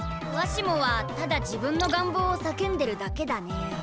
わしもはただ自分のがんぼうをさけんでるだけだね。